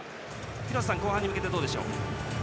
廣瀬さん、後半に向けてどうでしょう？